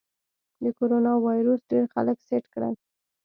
د کرونا ویروس ډېر خلک سټ کړل.